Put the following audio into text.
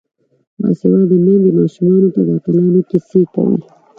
باسواده میندې ماشومانو ته د اتلانو کیسې کوي.